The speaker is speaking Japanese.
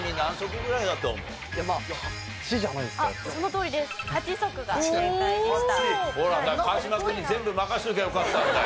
ほらだから川島君に全部任せときゃよかったんだよ。